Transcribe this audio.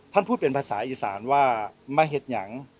ท่านพูดเป็นภาษาอีสานว่ามะเห็ดยัง